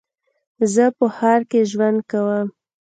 زه په ښار کې ژوند کوم.